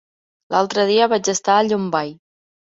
L'altre dia vaig estar a Llombai.